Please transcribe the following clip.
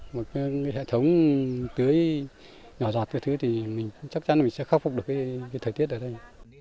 một hệ thống tưới nhỏ dọt chắc chắn là mình sẽ khắc phục được cái thời tiết ở đây